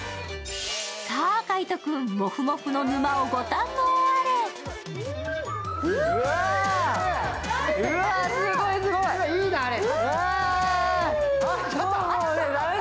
さあ、海音君、もふもふの沼をご堪能あれ。